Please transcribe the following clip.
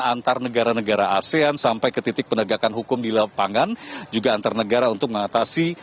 antar negara negara asean sampai ke titik penegakan hukum di lapangan juga antar negara untuk mengatasi